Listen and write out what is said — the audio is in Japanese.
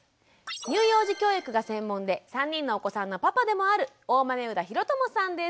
乳幼児教育が専門で３人のお子さんのパパでもある大豆生田啓友さんです。